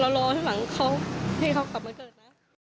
เรารอให้หวังให้เขากลับมาเกิดนะ